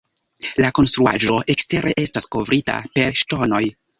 La konstruaĵo ekstere estas kovrita per ŝtonoj.